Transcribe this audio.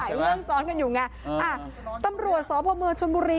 หลายเรื่องซ้อนกันอยู่ไงอ่ะตำรวจสบชนบุรี